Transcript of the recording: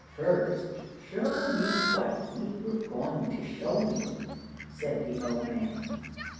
"First, show me what ye were going to show me," said the old man.